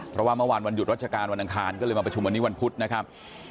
เพราะว่าเมื่อวานวันหยุดราชการวันอังคารก็เลยมาประชุมวันนี้วันพุธนะครับ